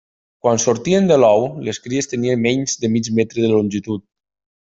Quan sortien de l'ou les cries tenien menys de mig metre de longitud.